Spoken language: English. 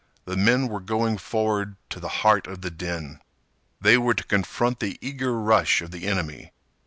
The men were going forward to the heart of the din. They were to confront the eager rush of the enemy.